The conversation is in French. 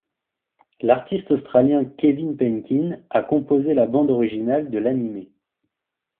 L’artiste australien Kevin Penkin a composé la bande originale de l’anime.